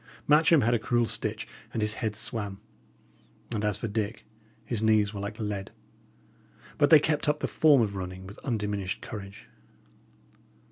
Matcham had a cruel stitch, and his head swam; and as for Dick, his knees were like lead. But they kept up the form of running with undiminished courage.